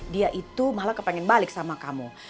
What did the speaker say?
dia itu malah kepengen balik sama kamu